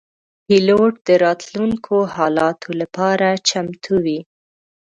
پیلوټ د راتلونکو حالاتو لپاره چمتو وي.